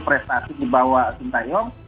prestasi di bawah sintayong